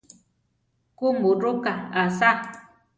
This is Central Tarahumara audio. Kuʼmurúka asá!